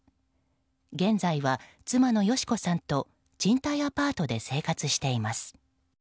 現在は、妻の佳子さんと賃貸アパートで生活しています。